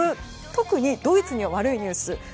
特にドイツにとっては悪いニュース。